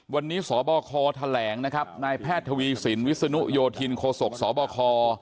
วันนี้สบคแถลงนะครับนายแพทย์ทวีสินวิศนุโยธินโคศกสบค